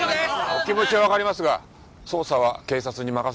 お気持ちはわかりますが捜査は警察に任せてください。